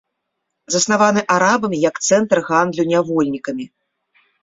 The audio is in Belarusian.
Заснаваны арабамі як цэнтр гандлю нявольнікамі.